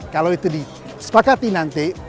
kalau itu disepakati nanti